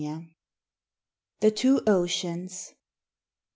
439 THE TWO OCEANS.